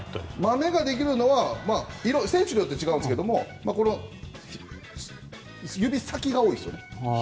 まめができるのは選手によって違うんですけども指先が多いですよね。